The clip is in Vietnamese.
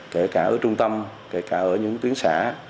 kể cả ở trung tâm kể cả ở những tuyến xã